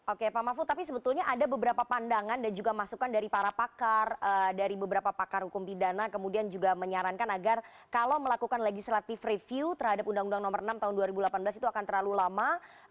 oke pak mahfud tapi sebetulnya ada beberapa pandangan dan juga masukan dari para pakar dari beberapa pakar hukum pidana kemudian juga menyarankan agar kalau melakukan legislative review terhadap undang undang nomor enam tahun dua ribu delapan belas itu akan terlalu lama